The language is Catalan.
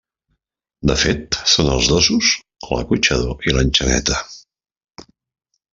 De fet són els dosos, l'acotxador i l'enxaneta.